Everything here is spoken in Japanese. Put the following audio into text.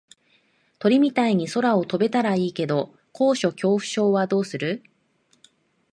鳥みたいに空を飛べたらいいけど高所恐怖症はどうする？